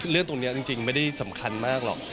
เรื่องตรงนี้จริงไม่ได้สำคัญมากหรอก